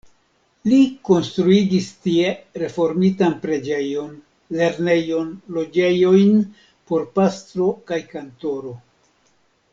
Li konstruigis tie reformitan preĝejon, lernejon, loĝejojn por pastro kaj kantoro.